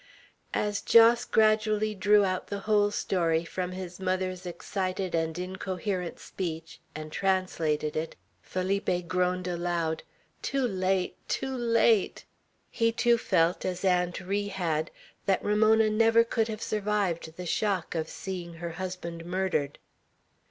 As Jos gradually drew out the whole story from his mother's excited and incoherent speech, and translated it, Felipe groaned aloud, "Too late! Too late!" He too felt, as Aunt Ri had, that Ramona never could have survived the shock of seeing her husband murdered.